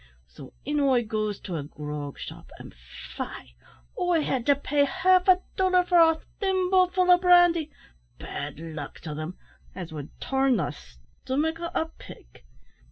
So in I goes to a grog shop, and faix I had to pay half a dollar for a thimbleful o' brandy, bad luck to them, as would turn the stomik o' a pig.